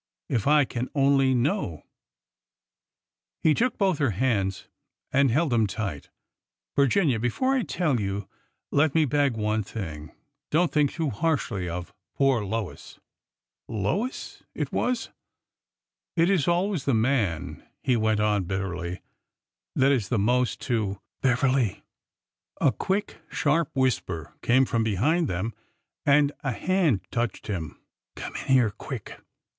— if I can only know !" He took both her hands and held them tight. " Vir ginia, before I tell you, let me beg one thing. Don't think too harshly of— poor Lois." Lois ! It was !" It is always the man," he went on bitterly, " that is the most to—" " Beverly !" A quick, sharp whisper came from behind them, and a hand touched him. " Come in here ! quick